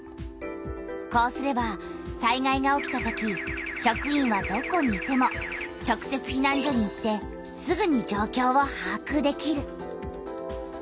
こうすれば災害が起きたとき職員はどこにいても直せつひなん所に行ってすぐに状況をはあくできる。